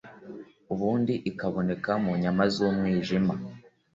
ubundi ikaboneka mu nyama z’umwijima